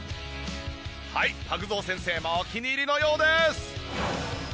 はいパグゾウ先生もお気に入りのようです！